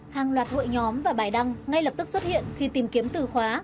hàng loạt hội nhóm và bài đăng ngay lập tức xuất hiện khi tìm kiếm từ khóa